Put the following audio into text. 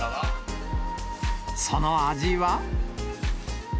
その味は？